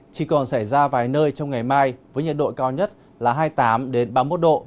chỉ còn xảy ra vài nơi trong ngày mai với nhiệt độ cao nhất là hai mươi tám ba mươi một độ